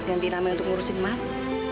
gantiin namanya untuk ngurusin mas